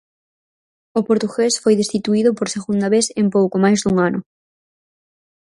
O portugués foi destituído por segunda vez en pouco máis dun ano.